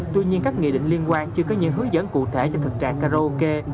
tuy nhiên các nghị định liên quan chưa có những hướng dẫn cụ thể cho thực trạng karaoke